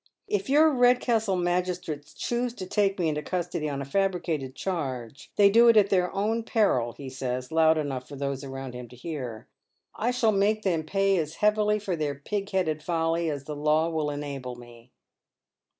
"If your Eedcastle magistrates choose to take me into custody on a fabricated charge, they do it at their own peril," he says, loud enough for those round him to hear. " I shall make them pay as heavily for their pig headed folly as the law will enable me."